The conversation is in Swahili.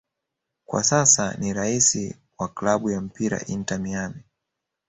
Kwa sasa ni raisi wa klabu ya mpira Inter Miami